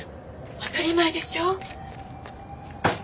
当たり前でしょ。